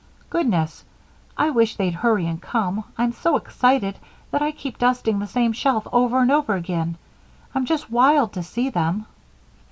"Goodness! I wish they'd hurry and come; I'm so excited that I keep dusting the same shelf over and over again. I'm just wild to see them!"